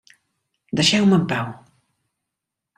Deixeu-me en pau!